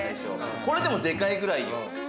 これでも、でかいぐらいよ。